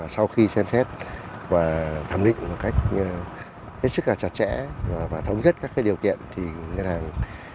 sau khi xem xét và thẩm định một cách hết sức chặt chẽ và thống nhất các điều kiện thì ngân hàng